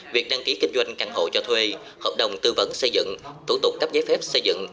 việc đăng ký kinh doanh căn hộ cho thuê hợp đồng tư vấn xây dựng thủ tục cắp giấy phép xây dựng